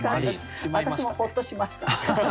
私もほっとしました。